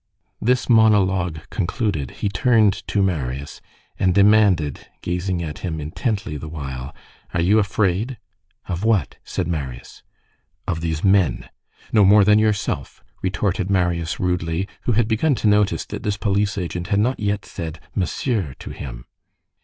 This monologue concluded, he turned to Marius, and demanded, gazing at him intently the while:— "Are you afraid?" "Of what?" said Marius. "Of these men?" "No more than yourself!" retorted Marius rudely, who had begun to notice that this police agent had not yet said "monsieur" to him.